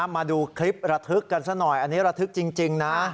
มาดูคลิประทึกกันซะหน่อยอันนี้ระทึกจริงนะ